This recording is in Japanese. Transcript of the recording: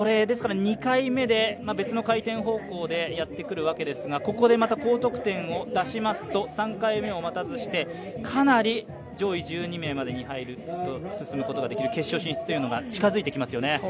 ２回目で別の回転方向でやってくるわけですがここでまた高得点を出しますと３回目を待たずしてかなり、上位１２名までに入る決勝に進むことができる決勝進出が近づいてきますよね。